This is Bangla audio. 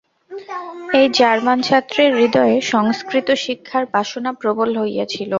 এই জার্মান ছাত্রের হৃদয়ে সংস্কৃত শিক্ষার বাসনা প্রবল হইয়াছিল।